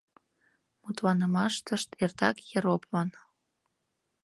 Мутланымаштышт эртак «ероплан».